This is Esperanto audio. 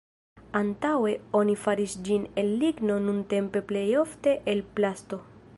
Antaŭe oni faris ĝin el ligno nuntempe plejofte el plasto.